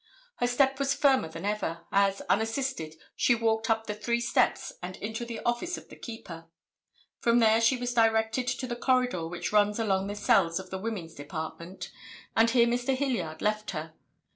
Her step was firmer than ever, as, unassisted, she walked up the three steps and into the office of the keeper. From there she was directed to the corridor which runs along the cells of the women's department, and here Mr. Hilliard left her.